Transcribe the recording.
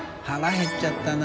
減っちゃったな。